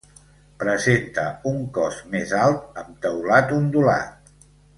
Presenta un cos més alt amb teulat ondulat.